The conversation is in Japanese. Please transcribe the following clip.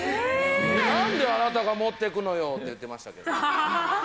なんであなたが持っていくのよーって言ってましたけど。